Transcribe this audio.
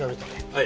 はい。